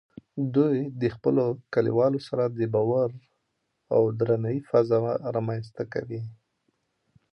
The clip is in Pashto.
دوی د خپلو کلیوالو سره د باور او درناوي فضا رامینځته کوي.